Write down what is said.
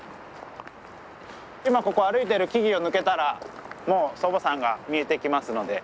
今ここ歩いてる木々を抜けたらもう祖母山が見えてきますので。